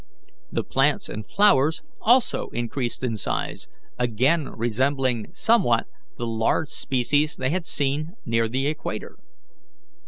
The plants and flowers also increased in size, again resembling somewhat the large species they had seen near the equator.